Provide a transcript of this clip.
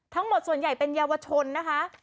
ส่วนใหญ่เป็นเยาวชนนะคะ